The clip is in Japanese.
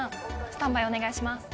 スタンバイお願いします